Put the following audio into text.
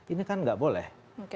ini kan tidak boleh